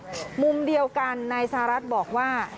มุมเดียวกันนายสหรัฐบอกว่า